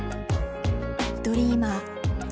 ドリーマー